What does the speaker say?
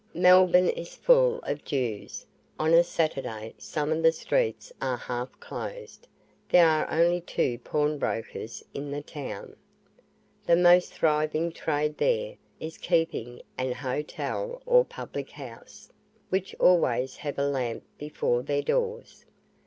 Melbourne is very full of Jews; on a Saturday, some of the streets are half closed. There are only two pawnbrokers in the town. The most thriving trade there, is keeping an hotel or public house, which always have a lamp before their doors.